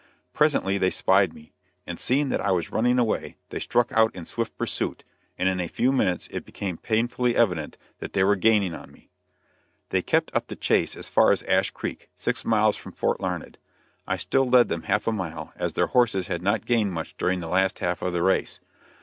Presently they spied me, and seeing that I was running away, they struck out in swift pursuit, and in a few minutes it became painfully evident that they were gaining on me. They kept up the chase as far as Ash Creek, six miles from Fort Larned. I still led them half a mile, as their horses had not gained much during the last half of the race.